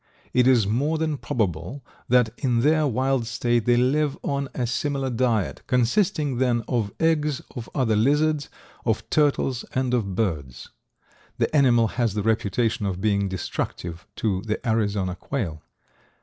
It is more than probable that in their wild state they live on a similar diet, consisting then of eggs of other lizards, of turtles and of birds. The animal has the reputation of being destructive to the Arizona quail.